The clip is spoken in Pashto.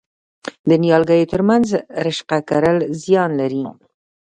د نیالګیو ترمنځ رشقه کرل زیان لري؟